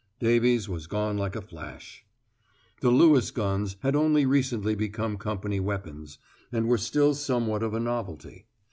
Davies was gone like a flash. The Lewis guns had only recently become company weapons, and were still somewhat of a novelty.